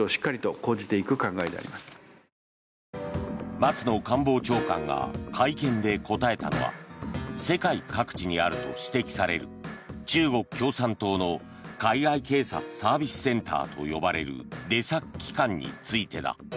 松野官房長官が会見で答えたのは世界各地にあると指摘される中国共産党の海外警察サービスセンターと呼ばれる出先機関についてだ。